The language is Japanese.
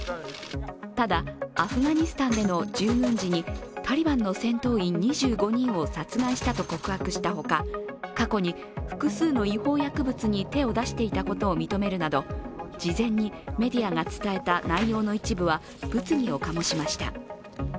ただアフガニスタンでの従軍時にタリバンの戦闘員２５人を殺害したと告白したほか、過去に複数の違法薬物に手を出していたことを認めるなど事前にメディアが伝えた内容の一部は物議を醸しました。